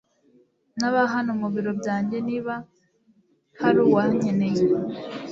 Nzaba hano mubiro byanjye niba hari uwankeneye.